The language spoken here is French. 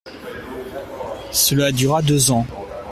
Cela dura deux ans.